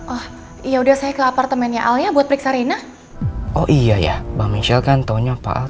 oh ya udah saya ke apartemennya al ya buat periksa rena oh iya ya mbak michelle kan taunya pak al